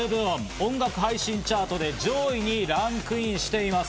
音楽配信チャートで上位にランクインしています。